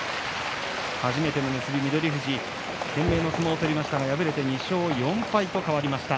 初めての結び翠富士、懸命な相撲を取りましたが敗れて２勝４敗と変わりました。